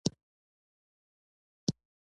هر جسم خپل سکون ساتي تر څو ځواک پرې عمل وکړي.